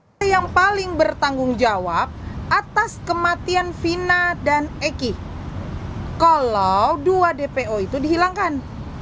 saya yang paling bertanggung jawab atas kematian vina dan eki kalau dua dpo itu dihilangkan